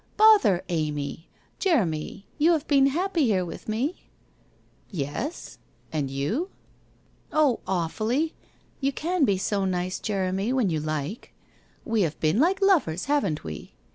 ' Bother Amy ! Jeremy, you have been happy here with me?' 1 Yes, and you ?' I Oh, awfully ! You ran be so nice, Jeremy, when you like. We have been like lovers, haven't we?